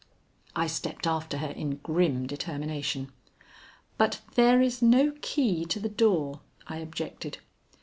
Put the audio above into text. I stepped after her in grim determination. "But there is no key to the door," I objected.